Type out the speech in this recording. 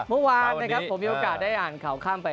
เมื่อวานนะครับผมมีโอกาสได้อ่านข่าวข้ามไป